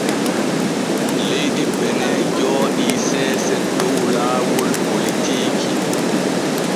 Leydi Bene jooɗii seese dow laawol politiiki.